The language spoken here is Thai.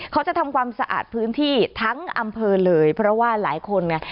เขาจะทำความสะอาดพื้นที่ทั้งอำเภอเลยเพราะว่าหลายคนไง